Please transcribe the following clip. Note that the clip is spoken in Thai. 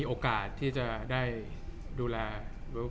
จากความไม่เข้าจันทร์ของผู้ใหญ่ของพ่อกับแม่